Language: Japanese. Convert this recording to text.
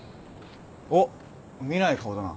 おっ見ない顔だな。